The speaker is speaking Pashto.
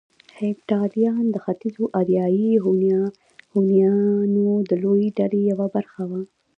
هېپتاليان د ختيځو اریایي هونيانو د لويې ډلې يوه برخه وو